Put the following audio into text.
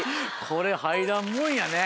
これ入らんもんやね。